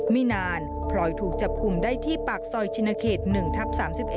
ไม่นานพลอยถูกจับกลุ่มได้ที่ปากซอยชินเขต๑ทับ๓๑